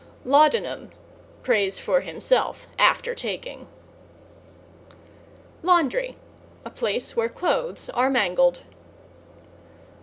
=LAUDANUM= Prays for himself after taking. =LAUNDRY= A place where clothes are mangled.